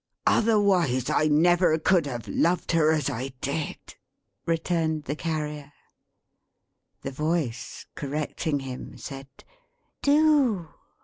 "Otherwise I never could have loved her as I did," returned the Carrier. The Voice, correcting him, said "do."